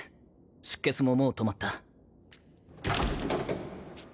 出血ももう止まった。